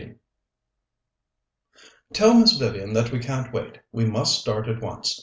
XV "Tell Miss Vivian that we can't wait; we must start at once.